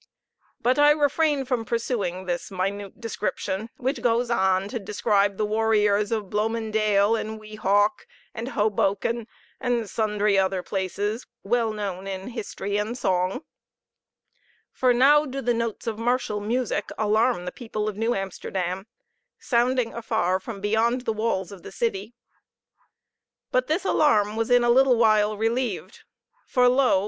But I refrain from pursuing this minute description, which goes on to describe the warriors of Bloemen dael, and Weehawk, and Hoboken, and sundry other places, well known in history and song for now do the notes of martial music alarm the people of New Amsterdam, sounding afar from beyond the walls of the city. But this alarm was in a little while relieved; for, lo!